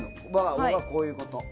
僕はこういうこと。